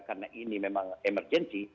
karena ini memang emergency